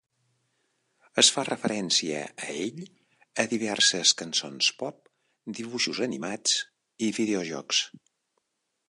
Es fa referència a ell a diverses cançons pop, dibuixos animats i videojocs.